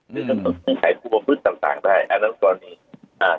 หรือว่าขายควบคุมพฤทธิ์ต่างได้อันนั้นตอนนี้๑๒๑๕นะครับ